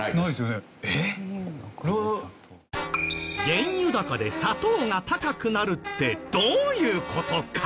原油高で砂糖が高くなるってどういう事か？